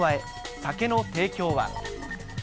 酒の提供は。